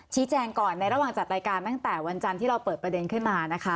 แจ้งก่อนในระหว่างจัดรายการตั้งแต่วันจันทร์ที่เราเปิดประเด็นขึ้นมานะคะ